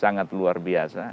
sangat luar biasa